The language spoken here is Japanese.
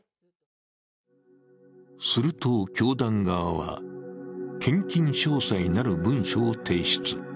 すると教団側は、献金詳細なる文書を提出。